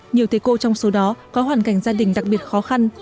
nhiều thầy cô trong số đó có hoàn cảnh gia đình đặc biệt khó khăn